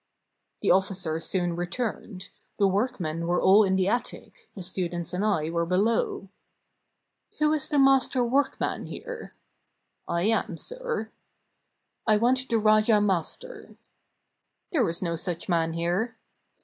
The officer soon returned ; the workmen were all in the attic, the students and I were below. "Who is the mas ter workman here?" "I am, sir." "I want the rayah master." "There is no such man here."